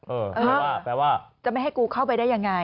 เพราะว่าแปลว่าจะไม่ให้กูเข้าไปได้ยังไง